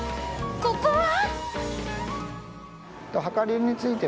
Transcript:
ここは。